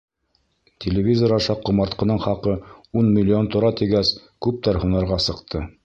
Телевизор аша ҡомартҡының хаҡы ун миллион тора тигәс, күптәр һунарға сыҡты.